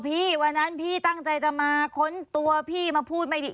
วันนั้นพี่ตั้งใจจะมาค้นตัวพี่มาพูดไม่ดี